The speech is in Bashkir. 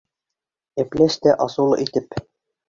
Әпләс тә, асыулы итеп: